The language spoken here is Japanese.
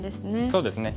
そうですね。